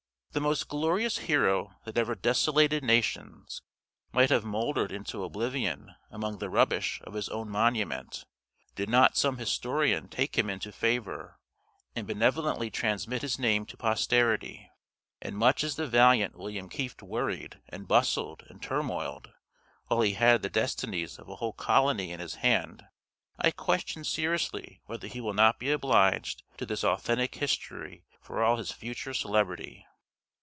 The most glorious hero that ever desolated nations might have mouldered into oblivion among the rubbish of his own monument, did not some historian take him into favor, and benevolently transmit his name to posterity; and much as the valiant William Kieft worried, and bustled, and turmoiled, while he had the destinies of a whole colony in his hand, I question seriously whether he will not be obliged to this authentic history for all his future celebrity.